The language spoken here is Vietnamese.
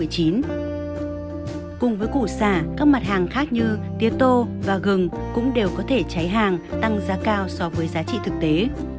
cùng với củ xả các mặt hàng khác như tia tô và gừng cũng đều có thể cháy hàng tăng giá cao so với giá trị thực tế